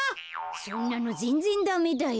そんなのぜんぜんダメだよ。